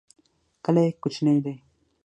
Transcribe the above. کلی کوچنی دی.